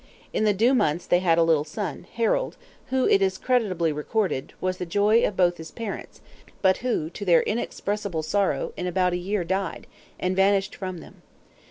In the due months they had a little son, Harald; who, it is credibly recorded, was the joy of both his parents; but who, to their inexpressible sorrow, in about a year died, and vanished from them.